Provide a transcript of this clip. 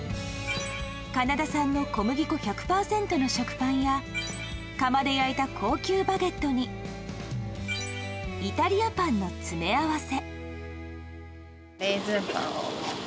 カナダ産の小麦粉１００％の食パンや窯で焼いた高級バゲットにイタリアパンの詰め合わせ。